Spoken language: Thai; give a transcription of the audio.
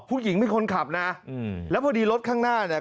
ผู้หญิงเป็นคนขับนะอืมแล้วพอดีรถข้างหน้าเนี่ย